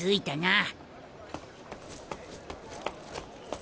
あ。